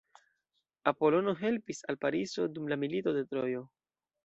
Apolono helpis al Pariso dum la Milito de Trojo.